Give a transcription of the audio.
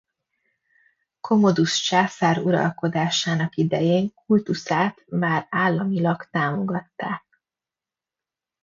Commodus császár uralkodásának idején kultuszát már államilag támogatták.